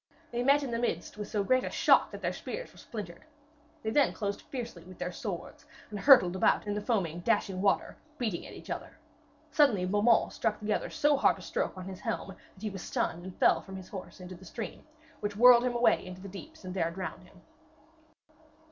They met in the midst with so great a shock that their spears were splintered. They then closed fiercely with their swords, and hurtled about in the foaming, dashing water, beating at each other. Suddenly Beaumains struck the other so hard a stroke on his helm that he was stunned, and fell from his horse into the stream, which whirled him away into the deeps, and there drowned him.